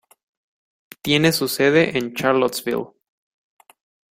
Tiene su sede en Charlottesville.